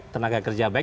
tenaga kerja baik